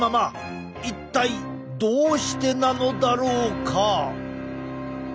一体どうしてなのだろうか？